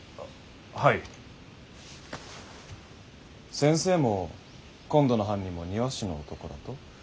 先生も今度の犯人も庭師の男だと？